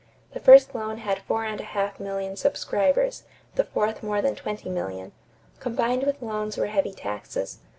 The first loan had four and a half million subscribers; the fourth more than twenty million. Combined with loans were heavy taxes.